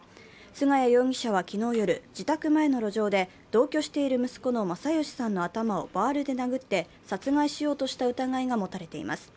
菅谷容疑者は昨日夜、自宅前の路上で同居している息子の昌良さんの頭をバールで殴って殺害しようとした疑いが持たれています。